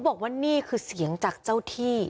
บอกว่านี่คือเสียงจากเจ้าที่